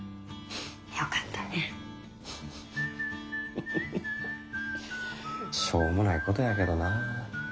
フフフフしょうもないことやけどな。